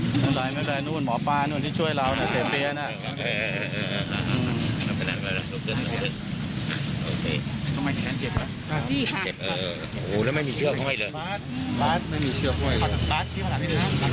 เฮ้ยนั่นไหลไม่ได้นู้นหมอปลานู้นที่ช่วยเราน่ะเสียเตี๊ยวน่ะ